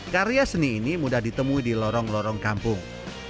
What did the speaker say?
karya seni ini mudah ditemui di lorong lorong kampung